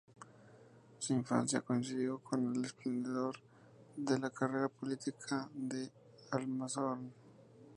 Su infancia coincidió con el esplendor de la carrera política de Almanzor.